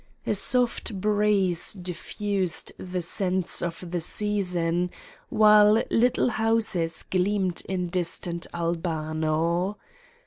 A soft breeze diffused the scents of the season, while little houses gleamed in distant Albano.